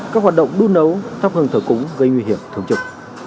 các hoạt động đun nấu thấp hơn thở cúng gây nguy hiểm thường trực